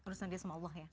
urusan dia sama allah ya